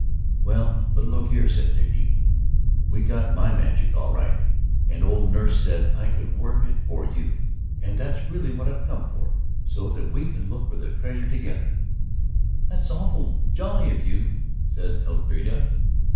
"Well, but look here," said Dickie. "We got my magic all right, and old nurse said I could work it for you, and that's really what I've come for, so that we can look for the treasure together." "That's awfully jolly of you," said Elfrida.